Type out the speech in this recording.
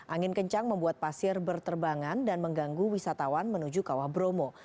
angin kencang membuat pasir berterbangan dan mengganggu wisatawan menuju kawah bromo